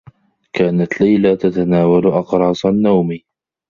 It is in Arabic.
كانت ليلى تتناول أقراص النّوم.